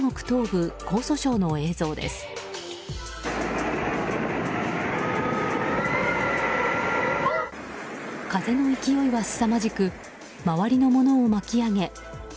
風の勢いはすさまじく周りのものを巻き上げ。